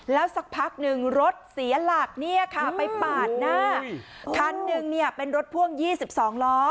แล้วสักพักหนึ่งรถเสียหลักเนี่ยค่ะไปปาดหน้าคันหนึ่งเนี่ยเป็นรถพ่วง๒๒ล้อ